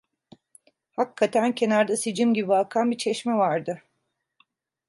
Hakikaten kenarda sicim gibi akan bir çeşme vardı.